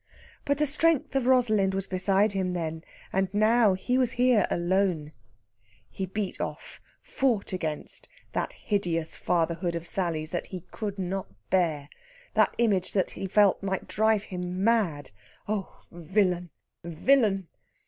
But the strength of Rosalind was beside him then, and now he was here alone. He beat off fought against that hideous fatherhood of Sally's that he could not bear, that image that he felt might drive him mad. Oh, villain, villain!